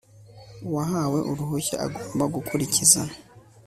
uwahawe uruhushya agomba gukurikiza